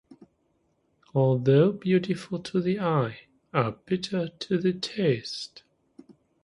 Although beautiful to the eye, are bitter to the taste.